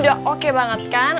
udah oke banget kan